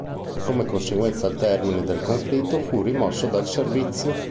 Come conseguenza, al termine del conflitto fu rimosso dal servizio.